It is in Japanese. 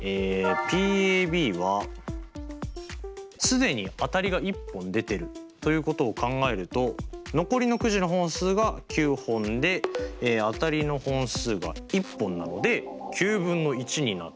Ｐは既に当たりが１本出てるということを考えると残りのくじの本数が９本で当たりの本数が１本なので９分の１になって。